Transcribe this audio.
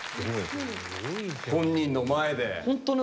本人の前で。